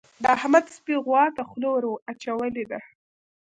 د احمد سپي غوا ته خوله ور اچولې ده.